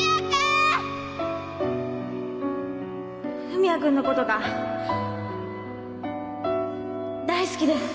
文也君のことが大好きです。